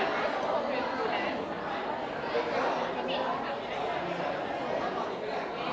ขอบคุณครับครับ